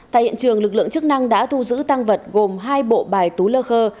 tại hiện trường lực lượng chức năng đã thu giữ tăng vật gồm hai bộ bài tú lơ khơ